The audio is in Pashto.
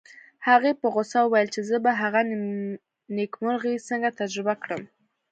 هغې په غوسه وویل چې زه به هغه نېکمرغي څنګه تجربه کړم